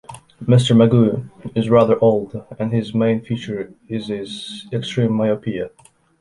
Mister Magoo is rather old, and his main feature is his extreme myopia.